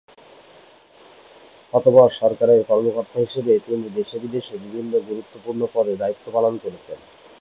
অতঃপর সরকারের কর্মকর্তা হিসেবে তিনি দেশে-বিদেশে বিভিন্ন গুরুত্বপূর্ণ পদে দায়িত্ব পালন করেছেন।